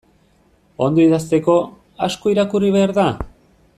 Ondo idazteko, asko irakurri behar da?